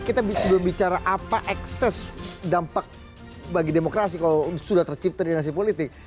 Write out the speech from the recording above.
kita sebelum bicara apa ekses dampak bagi demokrasi kalau sudah tercipta dinasi politik